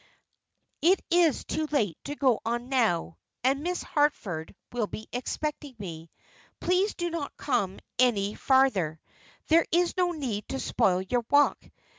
"It is too late to go on now, and Miss Harford will be expecting me. Please do not come any farther. There is no need to spoil your walk.